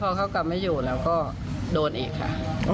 พอเขากลับไม่อยู่แล้วก็โดนอีกค่ะ